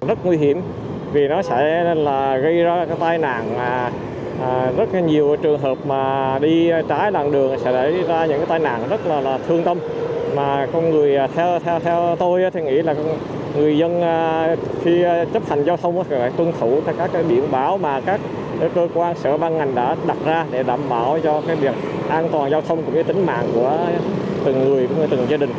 đảm bảo cho cái việc an toàn giao thông của tính mạng của từng người từng gia đình